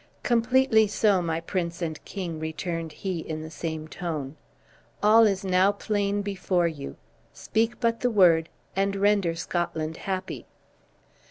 "Completely so, my prince and king," returned he, in the same tone; "all is now plain before you; speak but the word, and render Scotland happy!"